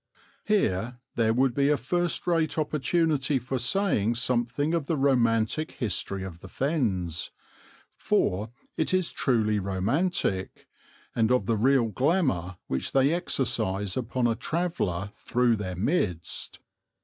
Here there would be a first rate opportunity for saying something of the romantic history of the Fens, for it is truly romantic, and of the real glamour which they exercise upon a traveller through their midst.